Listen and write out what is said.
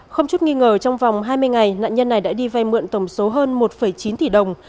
không chút nghi ngờ trong vòng hai mươi ngày nạn nhân này đã đi vay mượn tổng số hơn một chín tỷ đồng